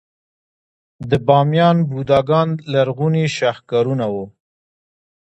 د بامیان بوداګان لرغوني شاهکارونه وو